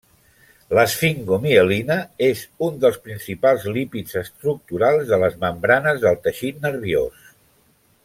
L'esfingomielina és un dels principals lípids estructurals de les membranes del teixit nerviós.